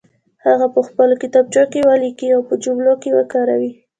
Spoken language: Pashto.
هغه په خپلو کتابچو کې ولیکئ او په جملو کې وکاروئ.